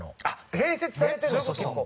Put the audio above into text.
併設されてるとこ結構。